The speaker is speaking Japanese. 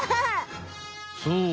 そう！